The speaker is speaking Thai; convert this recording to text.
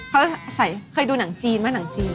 เขาจะเคยดูหนังจีนไหมหนังจีน